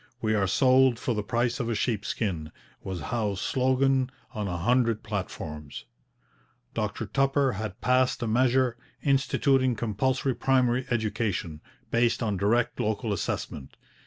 'We are sold for the price of a sheep skin,' was Howe's slogan on a hundred platforms. Dr Tupper had passed a measure, instituting compulsory primary education, based on direct local assessment.